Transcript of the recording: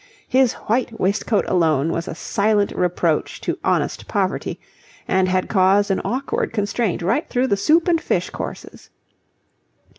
His white waistcoat alone was a silent reproach to honest poverty, and had caused an awkward constraint right through the soup and fish courses.